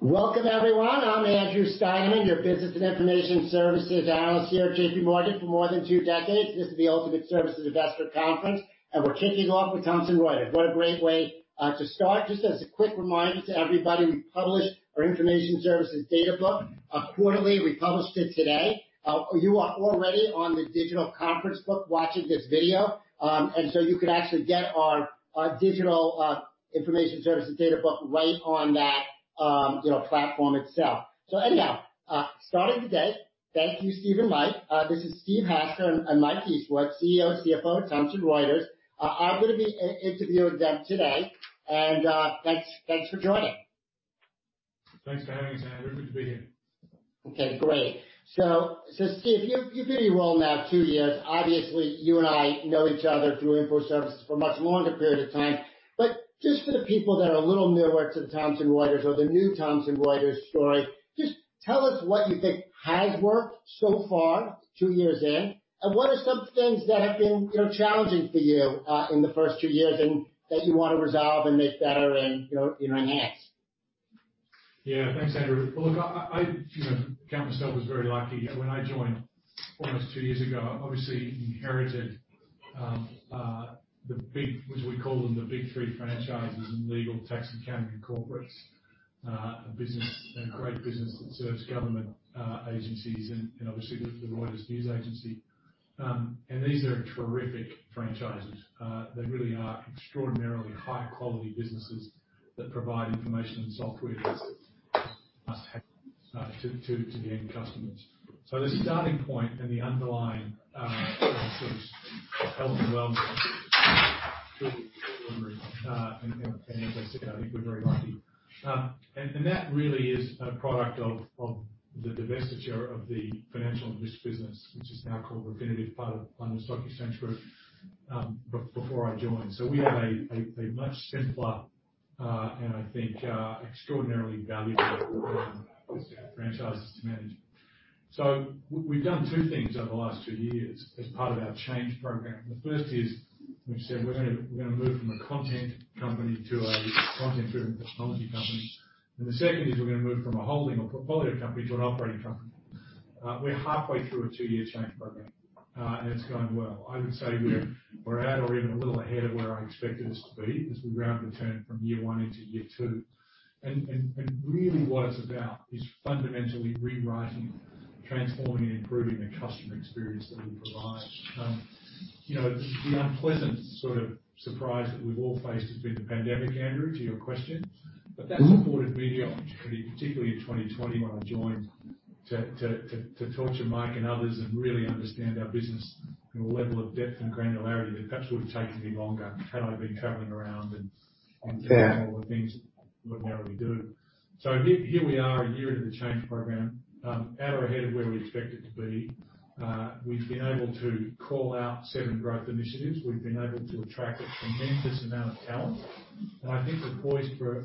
Welcome, everyone. I'm Andrew Steinerman, your Business and Information Services Analyst here at JPMorgan for more than two decades. This is the Ultimate Services Investor Conference, and we're kicking off with Thomson Reuters. What a great way to start. Just as a quick reminder to everybody, we publish our Information Services Data Book quarterly. We published it today. You are already on the digital conference book watching this video, and so you could actually get our digital Information Services Data Book right on that platform itself. So anyhow, starting today, thank you, Steve and Mike. This is Steve Hasker, and Mike Eastwood, CEO and CFO of Thomson Reuters. I'm going to be interviewing them today, and thanks for joining. Thanks for having us, Andrew. Good to be here. Okay, great. So Steve, you've been in your role now two years. Obviously, you and I know each other through information services for a much longer period of time. But just for the people that are a little newer to the Thomson Reuters or the new Thomson Reuters story, just tell us what you think has worked so far two years in, and what are some things that have been challenging for you in the first two years and that you want to resolve and make better and enhance? Yeah, thanks, Andrew. Well, look, I count myself as very lucky. When I joined almost two years ago, I obviously inherited the big, which we call them the big three franchises: Legal, Tax and Accounting, and Corporates. A great business that serves government agencies and obviously the Reuters News Agency. And these are terrific franchises. They really are extraordinarily high-quality businesses that provide information and software to the end customers. So the starting point and the underlying sort of health and well-being and everything, and as I said, I think we're very lucky. And that really is a product of the divestiture of the financial and risk business, which is now called Refinitiv, part of London Stock Exchange Group, before I joined. So we have a much simpler and I think extraordinarily valuable list of franchises to manage. We’ve done two things over the last two years as part of our change program. The first is, we’ve said we’re going to move from a content company to a content-driven technology company. The second is we’re going to move from a holding or portfolio company to an operating company. We’re halfway through a two-year change program, and it’s going well. I would say we’re at or even a little ahead of where I expected us to be as we round the turn from year one into year two. Really what it’s about is fundamentally rewriting, transforming, and improving the customer experience that we provide. The unpleasant sort of surprise that we’ve all faced has been the pandemic, Andrew, to your question. But that supported me the opportunity, particularly in 2020 when I joined, to talk to Mike and others and really understand our business from a level of depth and granularity that perhaps would have taken me longer had I been traveling around and doing all the things we ordinarily do. So here we are a year into the change program, at or ahead of where we expected to be. We've been able to call out seven growth initiatives. We've been able to attract a tremendous amount of talent. And I think we're poised for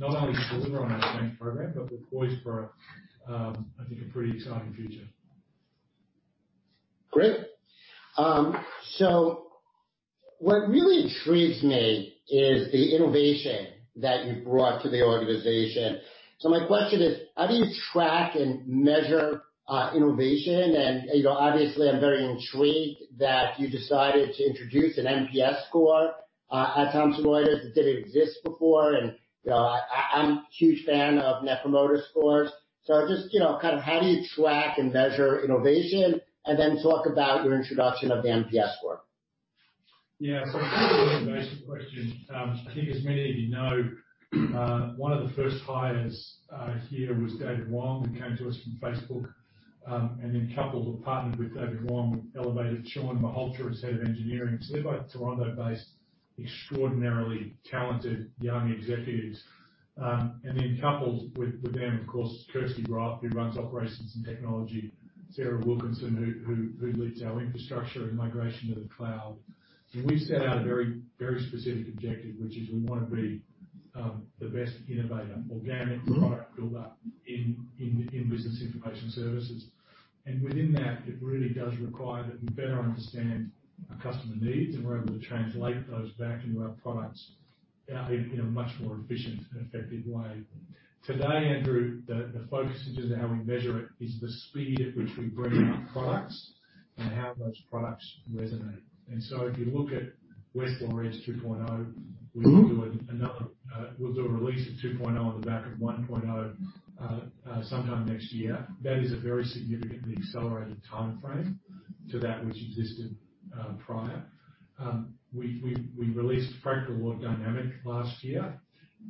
not only to deliver on our change program, but we're poised for, I think, a pretty exciting future. Great. So what really intrigues me is the innovation that you brought to the organization. So my question is, how do you track and measure innovation? And obviously, I'm very intrigued that you decided to introduce an NPS score at Thomson Reuters. It didn't exist before, and I'm a huge fan of Net Promoter Scores. So just kind of how do you track and measure innovation? And then talk about your introduction of the NPS score. Yeah, so I think that's an interesting question. I think as many of you know, one of the first hires here was David Wong, who came to us from Facebook. And then coupled or partnered with David Wong, we've elevated Shawn Malhotra, who's Head of Engineering. So they're both Toronto-based, extraordinarily talented, young executives. And then coupled with them, of course, Kirsty Roth, who runs Operations and Technology, Sarah Wilkinson, who leads our infrastructure and migration to the cloud. And we've set out a very specific objective, which is we want to be the best innovator, organic product builder in business information services. And within that, it really does require that we better understand our customer needs and we're able to translate those back into our products in a much more efficient and effective way. Today, Andrew, the focus in terms of how we measure it is the speed at which we bring out products and how those products resonate, and so if you look at Westlaw Edge 2.0, we'll do a release of 2.0 on the back of 1.0 sometime next year. That is a very significantly accelerated timeframe to that which existed prior. We released Practical Law Dynamic last year,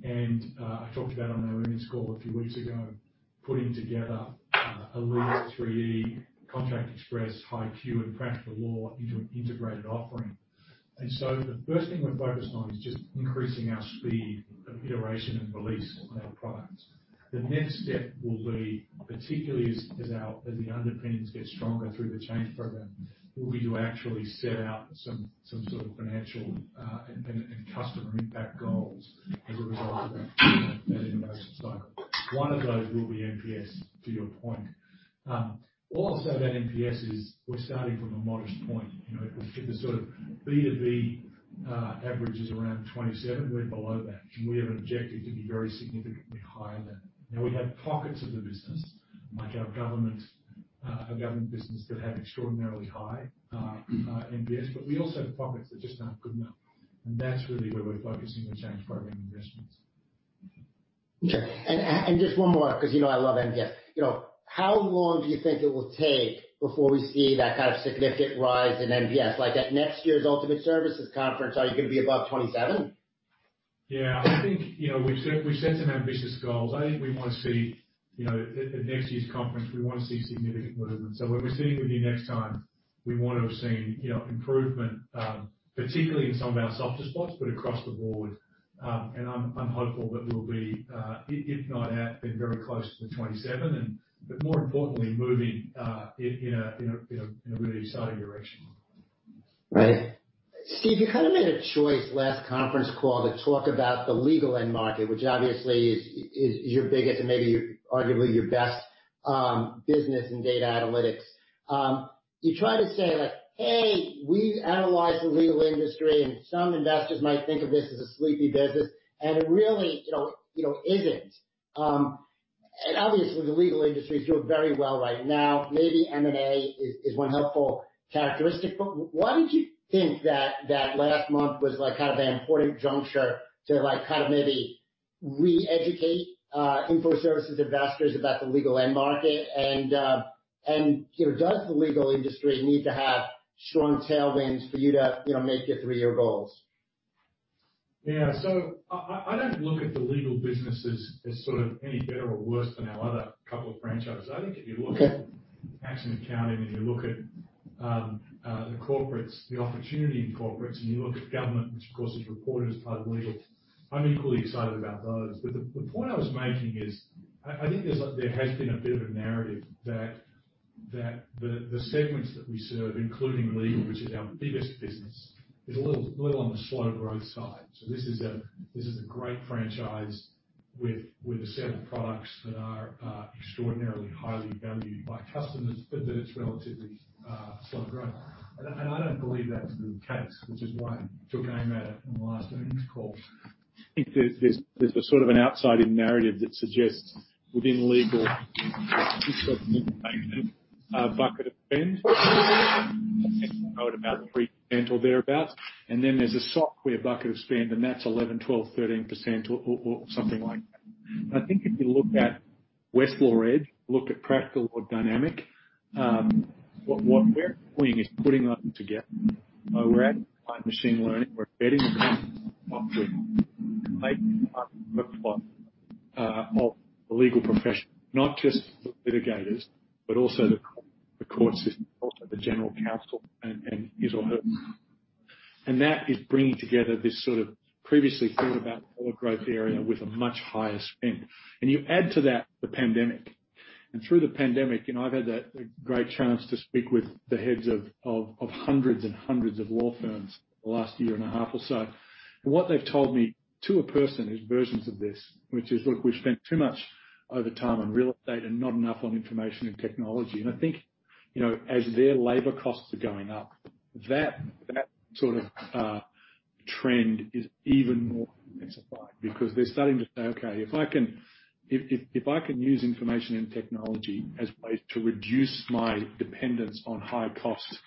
and I talked about it on our earnings call a few weeks ago, putting together Elite 3E, Contract Express, HighQ, and Practical Law into an integrated offering, and so the first thing we're focused on is just increasing our speed of iteration and release on our products. The next step will be, particularly as the underpinnings get stronger through the change program, will be to actually set out some sort of financial and customer impact goals as a result of that innovation cycle. One of those will be NPS, to your point. Also, that NPS is we're starting from a modest point. The sort of B2B average is around 27. We're below that, and we have an objective to be very significantly higher than. Now, we have pockets of the business, like our government business, that have extraordinarily high NPS, but we also have pockets that just aren't good enough. And that's really where we're focusing the change program investments. Okay. And just one more, because I love NPS. How long do you think it will take before we see that kind of significant rise in NPS? Like at next year's Ultimate Services Conference, are you going to be above 27? Yeah, I think we've set some ambitious goals. I think we want to see at next year's conference, we want to see significant movement. So when we're sitting with you next time, we want to have seen improvement, particularly in some of our software spots, but across the board. And I'm hopeful that we'll be, if not at, then very close to the 27, but more importantly, moving in a really exciting direction. Right. Steve, you kind of made a choice last conference call to talk about the legal end market, which obviously is your biggest and maybe arguably your best business in data analytics. You tried to say, "Hey, we analyze the legal industry, and some investors might think of this as a sleepy business," and it really isn't. And obviously, the legal industry is doing very well right now. Maybe M&A is one helpful characteristic. But why did you think that last month was kind of an important juncture to kind of maybe information services investors about the legal end market? And does the legal industry need to have strong tailwinds for you to make your three-year goals? Yeah, so I don't look at the legal businesses as sort of any better or worse than our other couple of franchises. I think if you look at Tax and Accounting and you look at the Corporates, the opportunity in Corporates, and you look at Government, which of course is reported as part of Legal, I'm equally excited about those. But the point I was making is I think there has been a bit of a narrative that the segments that we serve, including Legal, which is our biggest business, is a little on the slow growth side. So this is a great franchise with a set of products that are extraordinarily highly valued by customers, but it's relatively slow growth. And I don't believe that's the case, which is why I took aim at it on the last earnings call. I think there's a sort of an outside-in narrative that suggests within Legal, it's got a little bucket of spend, about 3% or thereabouts, and then there's a software bucket of spend, and that's 11%, 12%, 13% or something like that. I think if you look at Westlaw Edge, look at Practical Law Dynamic, what we're doing is putting us together. We're adding client machine learning. We're embedding a client software in the legal client workflow of the legal profession, not just the litigators, but also the court system, also the general counsel, and his or hers, and that is bringing together this sort of previously thought about lower growth area with a much higher spend, and you add to that the pandemic. And through the pandemic, I've had the great chance to speak with the heads of hundreds and hundreds of law firms in the last year and a half or so. And what they've told me to a person is versions of this, which is, "Look, we've spent too much over time on real estate and not enough on information and technology." And I think as their labor costs are going up, that sort of trend is even more intensified because they're starting to say, "Okay, if I can use information and technology as ways to reduce my dependence on high-cost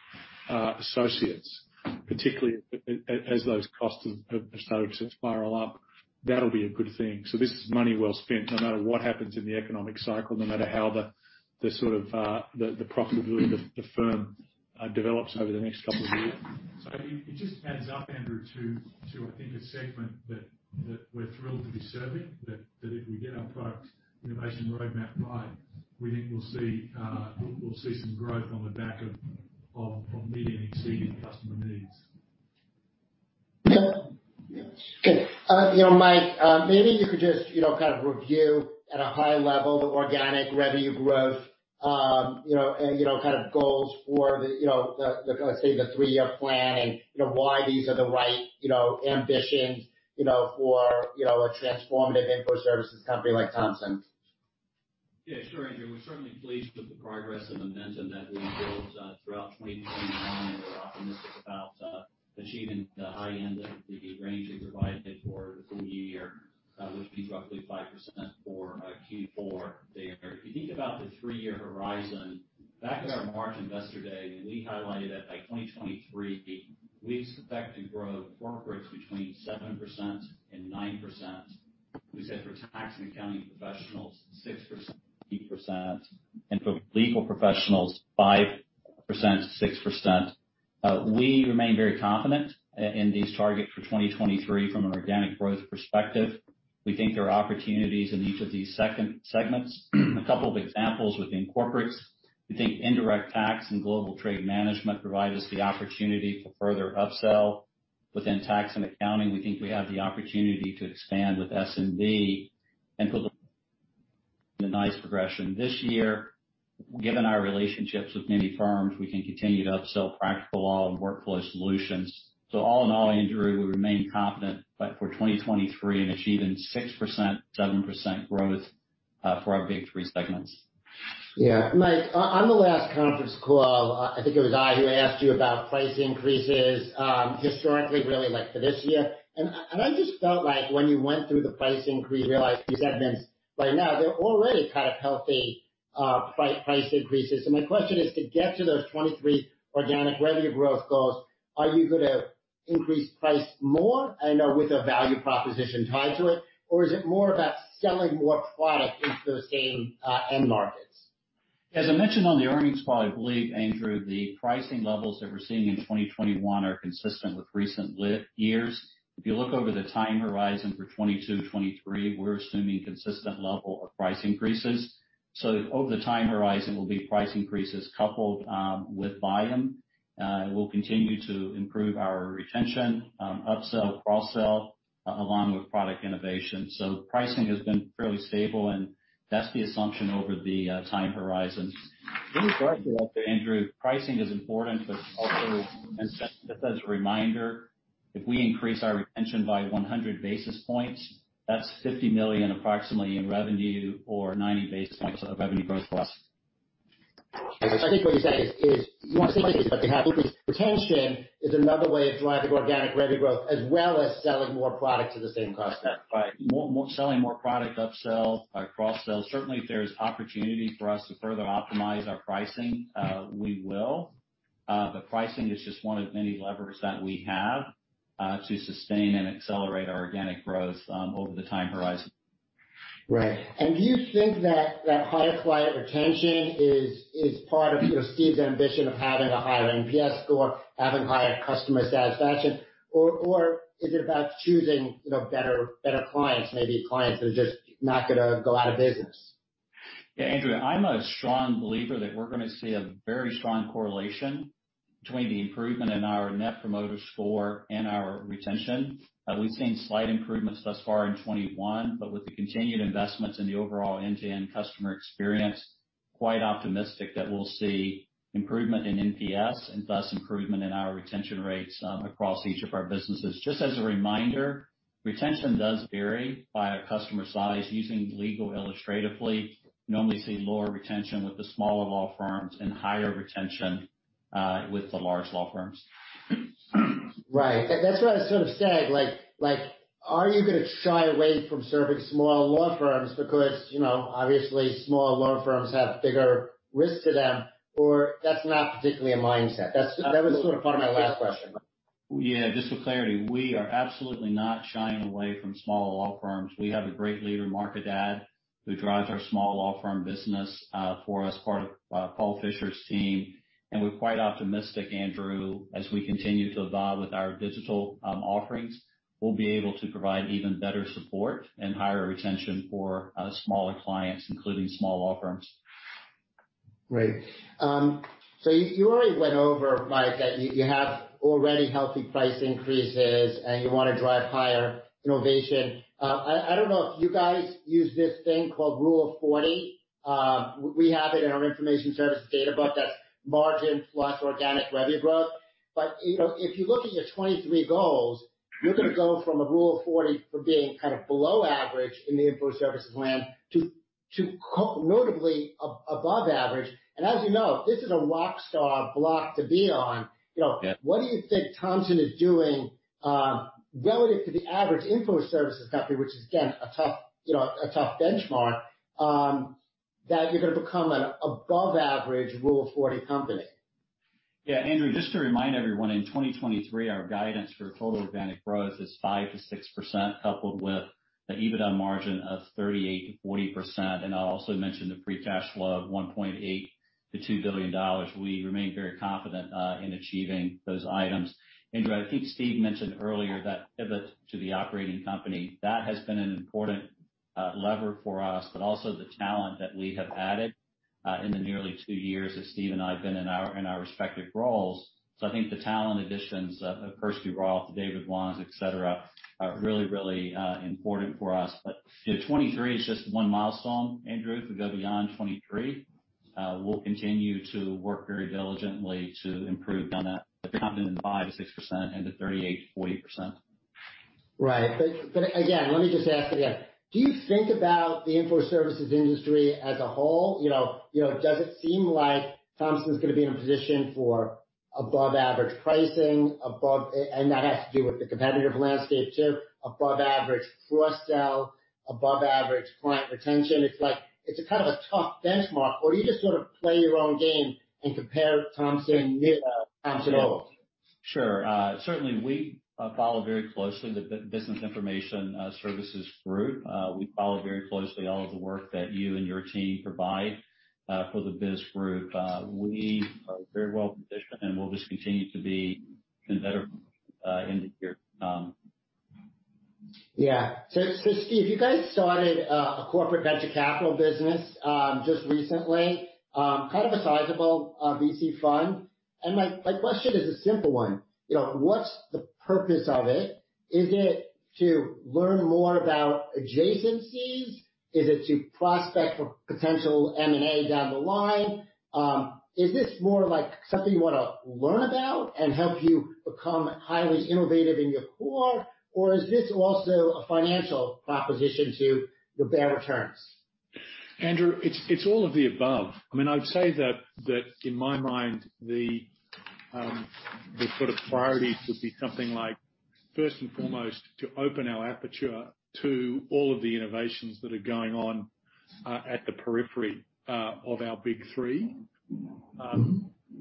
associates, particularly as those costs have started to spiral up, that'll be a good thing." So this is money well spent, no matter what happens in the economic cycle, no matter how the sort of the profitability of the firm develops over the next couple of years. It just adds up, Andrew, to, I think, a segment that we're thrilled to be serving, that if we get our product innovation roadmap right, we think we'll see some growth on the back of meeting and exceeding customer needs. Okay. Mike, maybe you could just kind of review at a high level the organic revenue growth and kind of goals for the, let's say, the three-year plan and why these are the right ambitions for a information services company like Thomson. Yeah, sure, Andrew. We're certainly pleased with the progress and momentum that we've built throughout 2021, and we're optimistic about achieving the high end of the range we provided for the full year, which means roughly 5% for Q4 there. If you think about the three-year horizon, back at our March Investor Day, we highlighted that by 2023, we expect to grow Corporates between 7% and 9%. We said for Tax and Accounting professionals, 6%, 8% and for Legal Professionals, 5%, 6%. We remain very confident in these targets for 2023 from an organic growth perspective. We think there are opportunities in each of these segments. A couple of examples within Corporates. We think indirect tax and global trade management provide us the opportunity for further upsell. Within Tax and Accounting, we think we have the opportunity to expand with SMB and put the nice progression this year. Given our relationships with many firms, we can continue to upsell Practical Law and workflow solutions. So all in all, Andrew, we remain confident for 2023 in achieving 6%-7% growth for our big three segments. Yeah. Mike, on the last conference call, I think it was I who asked you about price increases historically, really for this year. And I just felt like when you went through the price increase, I realized these admins right now, they're already kind of healthy price increases. And my question is, to get to those 2023 organic revenue growth goals, are you going to increase price more? I know with a value proposition tied to it, or is it more about selling more product into those same end markets? As I mentioned on the earnings call, I believe, Andrew, the pricing levels that we're seeing in 2021 are consistent with recent years. If you look over the time horizon for 2022, 2023, we're assuming consistent level of price increases. So over the time horizon, it will be price increases coupled with volume. We'll continue to improve our retention, upsell, cross-sell, along with product innovation. So pricing has been fairly stable, and that's the assumption over the time horizons. Any thoughts about that, Andrew? Pricing is important, but also, as a reminder, if we increase our retention by 100 basis points, that's $50 million approximately in revenue or 90 basis points of revenue growth plus. I think what he said is you want to say, but to have retention is another way of driving organic revenue growth as well as selling more product to the same customer. Right. Selling more product, upsell, cross-sell. Certainly, if there's opportunity for us to further optimize our pricing, we will. But pricing is just one of many levers that we have to sustain and accelerate our organic growth over the time horizon. Right. And do you think that higher client retention is part of Steve's ambition of having a higher NPS score, having higher customer satisfaction, or is it about choosing better clients, maybe clients that are just not going to go out of business? Yeah, Andrew, I'm a strong believer that we're going to see a very strong correlation between the improvement in our Net Promoter Score and our retention. We've seen slight improvements thus far in 2021, but with the continued investments in the overall end-to-end customer experience, quite optimistic that we'll see improvement in NPS and thus improvement in our retention rates across each of our businesses. Just as a reminder, retention does vary by our customer size. Using Legal illustratively, we normally see lower retention with the smaller law firms and higher retention with the large law firms. Right. And that's what I sort of said. Are you going to shy away from serving small law firms because obviously small law firms have bigger risk to them, or that's not particularly a mindset? That was sort of part of my last question. Yeah. Just for clarity, we are absolutely not shying away from small law firms. We have a great leader in Mark Haddad who drives our Small Law Firm business for us, part of Paul Fischer's team, and we're quite optimistic, Andrew, as we continue to evolve with our digital offerings. We'll be able to provide even better support and higher retention for smaller clients, including small law firms. Great. So you already went over, Mike, that you have already healthy price increases and you want to drive higher innovation. I don't know if you guys use this thing called Rule of 40. We have it in our Information Services Data Book. That's margin plus organic revenue growth. But if you look at your 2023 goals, you're going to go from a Rule of 40 for being kind of below average in information services land to notably above average. And as you know, this is a rockstar block to be on. What do you think Thomson is doing relative to the information services company, which is, again, a tough benchmark, that you're going to become an above-average Rule of 40 company? Yeah, Andrew, just to remind everyone, in 2023, our guidance for total organic growth is 5%-6%, coupled with the EBITDA margin of 38%-40%. I'll also mention the free cash flow of $1.8 billion-$2 billion. We remain very confident in achieving those items. Andrew, I think Steve mentioned earlier that pivot to the operating company. That has been an important lever for us, but also the talent that we have added in the nearly two years that Steve and I have been in our respective roles. I think the talent additions of Kirsty Roth, David Wong, etc., are really, really important for us. But 2023 is just one milestone, Andrew, if we go beyond 2023. We'll continue to work very diligently to improve on that, the confidence in 5%-6% and the 38%-40%. Right. But again, let me just ask again, do you think about the information services industry as a whole? Does it seem like Thomson's going to be in a position for above-average pricing? And that has to do with the competitive landscape too, above-average cross-sell, above-average client retention. It's kind of a tough benchmark. Or do you just sort of play your own game and compare? Sure. Certainly, we follow very closely the Business Information Services Group. We follow very closely all of the work that you and your team provide for the Biz Group. We are very well positioned, and we'll just continue to be even better in the year. Yeah, so Steve, you guys started a corporate venture capital business just recently, kind of a sizable VC fund, and my question is a simple one. What's the purpose of it? Is it to learn more about adjacencies? Is it to prospect for potential M&A down the line? Is this more like something you want to learn about and help you become highly innovative in your core? Or is this also a financial proposition to bear returns? Andrew, it's all of the above. I mean, I'd say that in my mind, the sort of priority would be something like first and foremost to open our aperture to all of the innovations that are going on at the periphery of our big three.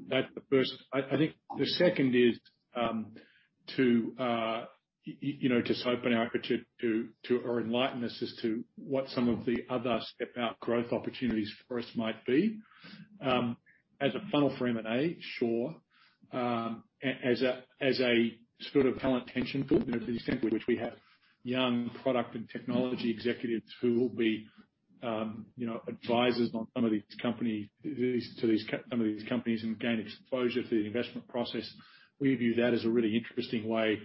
That's the first. I think the second is to just open our aperture to or enlighten us as to what some of the other step-out growth opportunities for us might be. As a funnel for M&A, sure. As a sort of talent tension tool, to the extent which we have young product and technology executives who will be advisors on some of these companies to some of these companies and gain exposure to the investment process, we view that as a really interesting way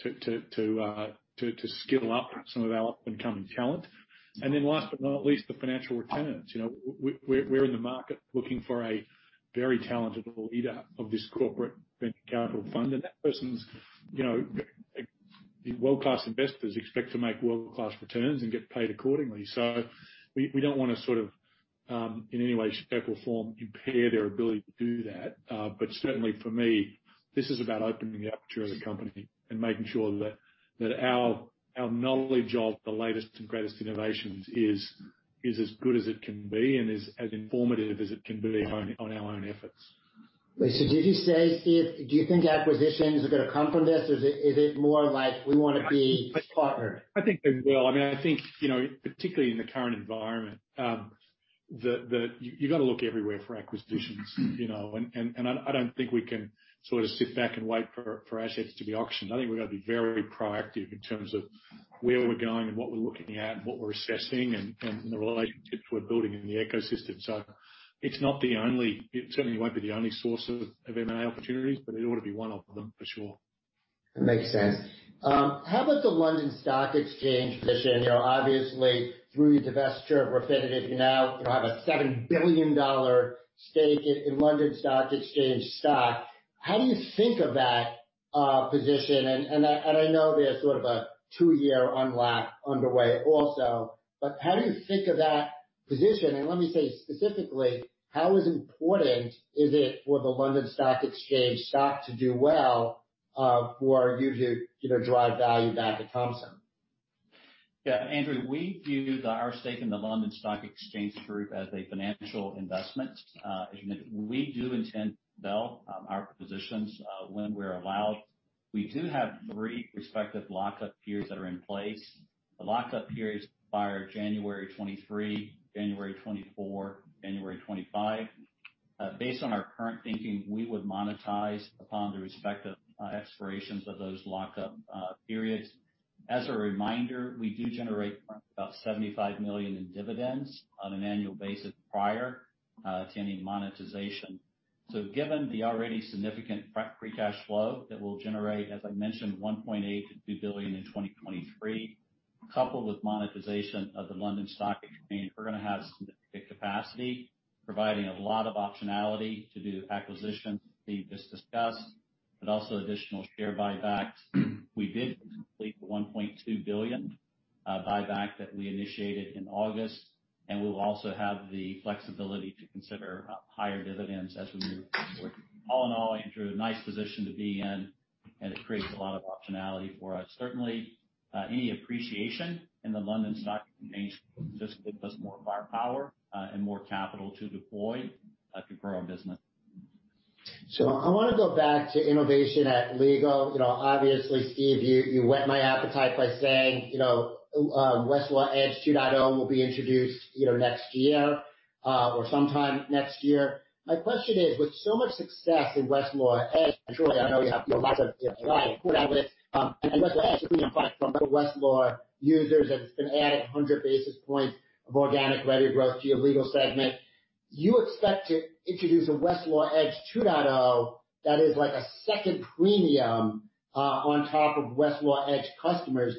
to skill up some of our up-and-coming talent. And then last but not least, the financial returns. We're in the market looking for a very talented leader of this corporate venture capital fund. And that person's world-class investors expect to make world-class returns and get paid accordingly. So we don't want to sort of in any way, shape, or form impair their ability to do that. But certainly, for me, this is about opening the aperture of the company and making sure that our knowledge of the latest and greatest innovations is as good as it can be and as informative as it can be on our own efforts. So did you say, Steve, do you think acquisitions are going to come from this? Is it more like we want to be partnered? I think they will. I mean, I think particularly in the current environment, you've got to look everywhere for acquisitions. And I don't think we can sort of sit back and wait for assets to be auctioned. I think we've got to be very proactive in terms of where we're going and what we're looking at and what we're assessing and the relationships we're building in the ecosystem. So it's not the only, certainly, it won't be the only source of M&A opportunities, but it ought to be one of them for sure. That makes sense. How about the London Stock Exchange position? Obviously, through your divestiture, we're left with you now have a $7 billion stake in London Stock Exchange stock. How do you think of that position? And I know there's sort of a two-year unlock underway also, but how do you think of that position? And let me say specifically, how important is it for the London Stock Exchange stock to do well for you to drive value back at Thomson? Yeah. Andrew, we view our stake in the London Stock Exchange Group as a financial investment. As you mentioned, we do intend to sell our positions when we're allowed. We do have three respective lockup periods that are in place. The lockup periods are January 2023, January 2024, January 2025. Based on our current thinking, we would monetize upon the respective expirations of those lockup periods. As a reminder, we do generate about $75 million in dividends on an annual basis prior to any monetization. So given the already significant free cash flow that will generate, as I mentioned, $1.8 billion-$2 billion in 2023, coupled with monetization of the London Stock Exchange, we're going to have significant capacity, providing a lot of optionality to do acquisitions, Steve just discussed, but also additional share buybacks. We did complete the $1.2 billion buyback that we initiated in August. And we'll also have the flexibility to consider higher dividends as we move forward. All in all, Andrew, a nice position to be in, and it creates a lot of optionality for us. Certainly, any appreciation in the London Stock Exchange just gives us more firepower and more capital to deploy to grow our business. So I want to go back to innovation at Legal. Obviously, Steve, you whet my appetite by saying Westlaw Edge 2.0 will be introduced next year or sometime next year. My question is, with so much success in Westlaw Edge, and surely I know you have lots of clients and whatnot, and Westlaw Edge is being adopted by Westlaw users and it's been added 100 basis points of organic revenue growth to your Legal segment. You expect to introduce a Westlaw Edge 2.0 that is like a second premium on top of Westlaw Edge customers.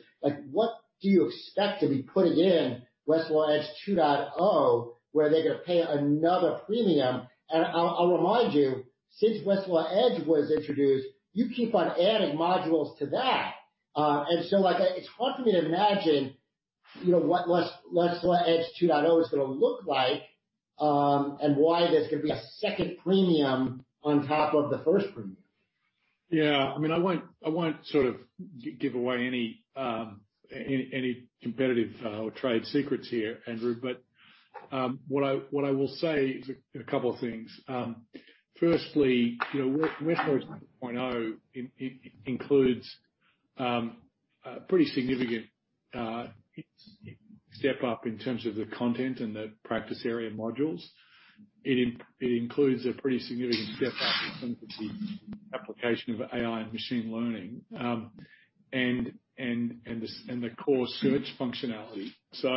What do you expect to be putting in Westlaw Edge 2.0 where they're going to pay another premium? And I'll remind you, since Westlaw Edge was introduced, you keep on adding modules to that. And so it's hard for me to imagine what Westlaw Edge 2.0 is going to look like and why there's going to be a second premium on top of the first premium. Yeah. I mean, I won't sort of give away any competitive or trade secrets here, Andrew, but what I will say is a couple of things. Firstly, Westlaw Edge 2.0 includes a pretty significant step up in terms of the content and the practice area modules. It includes a pretty significant step up in terms of the application of AI and machine learning and the core search functionality. So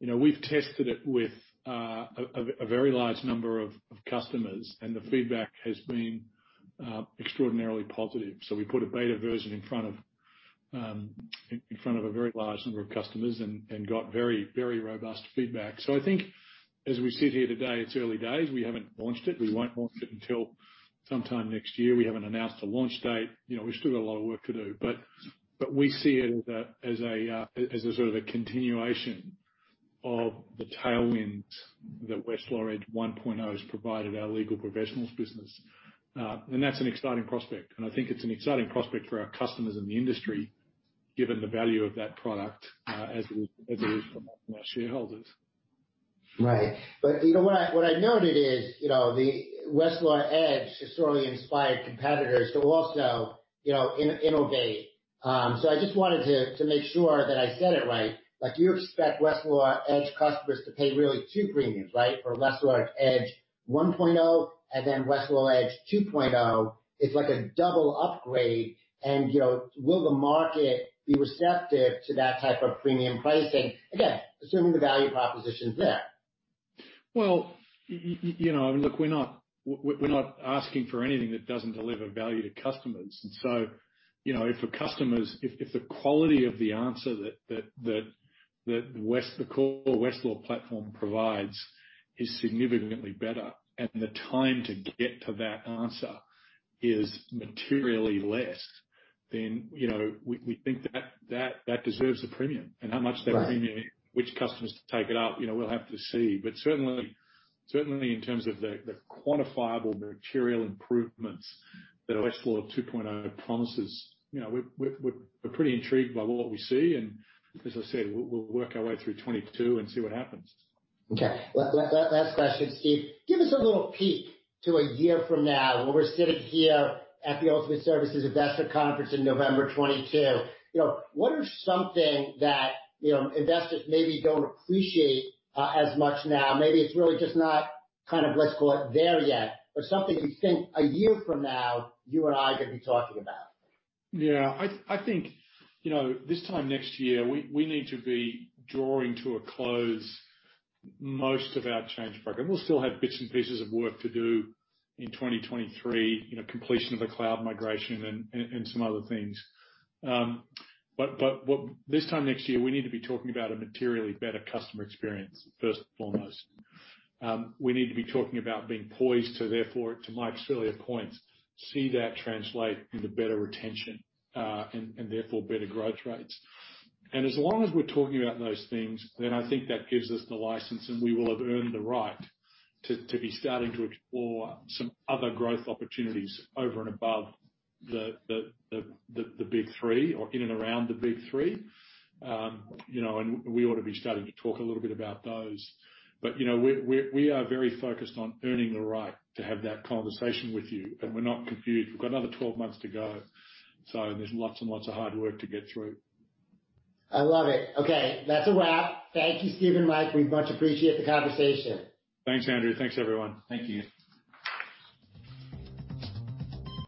we've tested it with a very large number of customers, and the feedback has been extraordinarily positive. So we put a beta version in front of a very large number of customers and got very, very robust feedback. So I think as we sit here today, it's early days. We haven't launched it. We won't launch it until sometime next year. We haven't announced a launch date. We still got a lot of work to do. We see it as a sort of a continuation of the tailwinds that Westlaw Edge 1.0 has provided our Legal Professionals business. That's an exciting prospect. I think it's an exciting prospect for our customers and the industry, given the value of that product as it is from our shareholders. Right. But what I noted is the Westlaw Edge has certainly inspired competitors to also innovate. So I just wanted to make sure that I said it right. You expect Westlaw Edge customers to pay really two premiums, right? For Westlaw Edge 1.0 and then Westlaw Edge 2.0, it's like a double upgrade. And will the market be receptive to that type of premium pricing? Again, assuming the value proposition's there. Well, I mean, look, we're not asking for anything that doesn't deliver value to customers. And so if the quality of the answer that the core Westlaw platform provides is significantly better and the time to get to that answer is materially less, then we think that deserves a premium. And how much that premium is, which customers take it up, we'll have to see. But certainly, in terms of the quantifiable material improvements that Westlaw 2.0 promises, we're pretty intrigued by what we see. And as I said, we'll work our way through 2022 and see what happens. Okay. Last question, Steve. Give us a little peek to a year from now when we're sitting here at the Ultimate Services Investor Conference in November 2022. What is something that investors maybe don't appreciate as much now? Maybe it's really just not kind of, let's call it there yet, but something you think a year from now you and I could be talking about. Yeah. I think this time next year, we need to be drawing to a close most of our change program. We'll still have bits and pieces of work to do in 2023, completion of the cloud migration and some other things. But this time next year, we need to be talking about a materially better customer experience, first and foremost. We need to be talking about being poised to, therefore, to Mike's earlier points, see that translate into better retention and therefore better growth rates. And as long as we're talking about those things, then I think that gives us the license and we will have earned the right to be starting to explore some other growth opportunities over and above the big three or in and around the big three. And we ought to be starting to talk a little bit about those. But we are very focused on earning the right to have that conversation with you. And we're not confused. We've got another 12 months to go. So there's lots and lots of hard work to get through. I love it. Okay. That's a wrap. Thank you, Steve and Mike. We much appreciate the conversation. Thanks, Andrew. Thanks, everyone. Thank you.